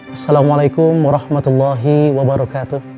assalamualaikum warahmatullahi wabarakatuh